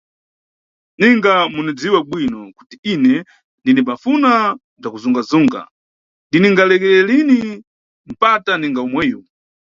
Ninga munidziwa bwino kuti ine ndinimbafuna bzakuzunga–zunga ndiningadalekerera lini mpata ningati omweyu.